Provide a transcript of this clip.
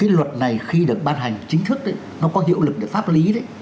cái luật này khi được ban hành chính thức nó có hiệu lực để pháp lý